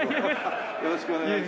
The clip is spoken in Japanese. よろしくお願いします。